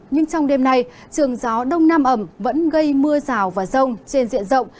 nhưng trong đêm nay trường gió đông nam ẩm vẫn gây mưa rào và rông trên diện rộng